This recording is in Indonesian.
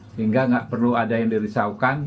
sehingga nggak perlu ada yang dirisaukan